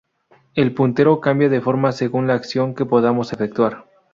El puntero cambia de forma según la acción que podamos efectuar.